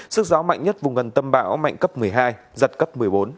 sức gió mạnh nhất vùng gần tâm bão mạnh cấp một mươi hai giật cấp một mươi bốn